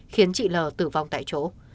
khiến chị lờ tử vong tại chỗ